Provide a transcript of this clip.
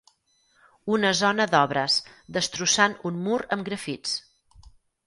Una zona d'obres destrossant un mur amb grafits.